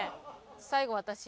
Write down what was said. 最後私。